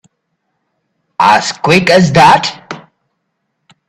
As quick as that?